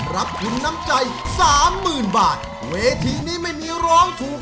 รอบที่๓จำนวน๙ยก